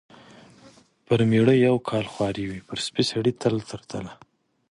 پر مېړه یو کال خواري وي، پر سپي سړي تل تر تله.